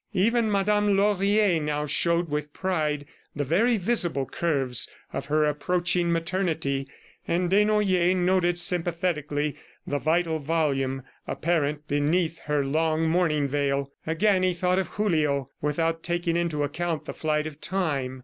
Even Madame Laurier now showed with pride the very visible curves of her approaching maternity, and Desnoyers noted sympathetically the vital volume apparent beneath her long mourning veil. Again he thought of Julio, without taking into account the flight of time.